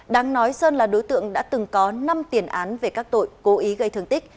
đáng nói sơn là đối tượng đã từng có năm tiền án về các tội cố ý gây thương tích